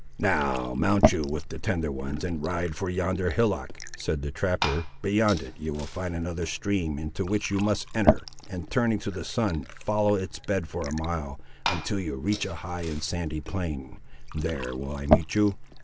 "Now mount you, with the tender ones, and ride for yonder hillock," said the trapper; "beyond it, you will find another stream, into which you must enter, and turning to the sun, follow its bed for a mile, until you reach a high and sandy plain; there will I meet you.